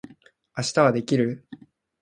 明日はできる？